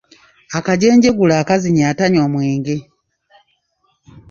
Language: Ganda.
Akajenjegule akazinya atanywa mwenge.